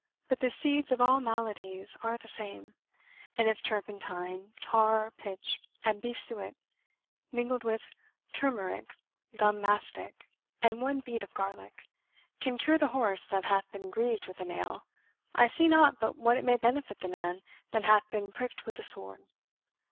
But the seeds of all maladies are the same; and if turpentine, tar, pitch, and beef suet, mingled with turmerick, gum mastick, and one bead of garlick, can cure the horse that hath been grieved with a nail, I see not but what it may benefit the man that hath been pricked with a sword.